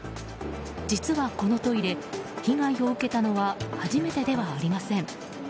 実は、このトイレ被害を受けたのは初めてではありません。